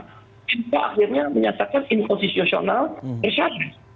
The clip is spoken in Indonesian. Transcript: kita akhirnya menyatakan inquisitional decision